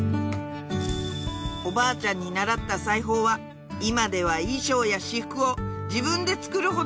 おばあちゃんに習った裁縫は今では衣装や私服を自分で作るほどの腕前に